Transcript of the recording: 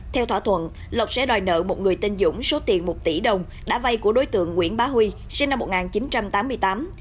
theo thỏa thuận lộc sẽ đòi nợ một người tên dũng số tiền một tỷ đồng đã vay của đối tượng nguyễn bá huy sinh năm một nghìn chín trăm tám mươi tám